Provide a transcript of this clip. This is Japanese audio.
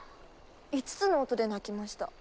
５つの音で鳴きました。